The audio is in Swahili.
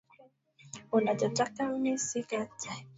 tatu yalishindikana bungeni Katika uchaguzi wa mwaka elfu mbili na Saba